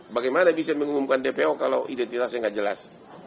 bagaimana bisa mengumumkan dpo kalau identitasnya nggak jelas